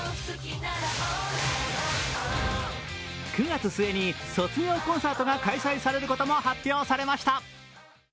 ９月末に卒業コンサートが開催されることも発表されました。